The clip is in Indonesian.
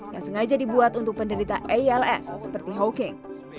yang sengaja dibuat untuk penderita als seperti hawking